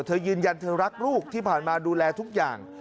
เธอยืนยันเธอรักลูกที่ผ่านมาดูแลทุกอย่าง